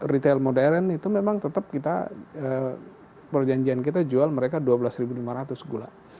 retail modern itu memang tetap kita perjanjian kita jual mereka dua belas lima ratus gula